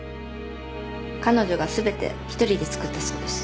彼女が全て一人で作ったそうです。